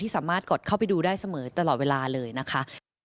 สามารถกดเข้าไปดูได้เสมอตลอดเวลาเลยนะคะ